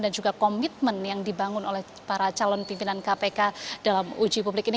dan juga komitmen yang dibangun oleh para calon pimpinan kpk dalam uji publik ini